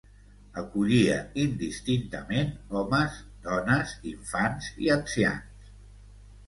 Acollia indistintament homes, dones, infants i ancians.